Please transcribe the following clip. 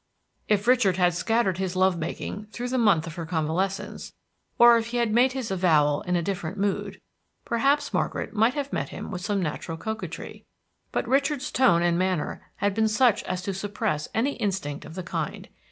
If Richard had scattered his love making through the month of her convalescence, or if he had made his avowal in a different mood, perhaps Margaret might have met him with some natural coquetry. But Richard's tone and manner had been such as to suppress any instinct of the kind.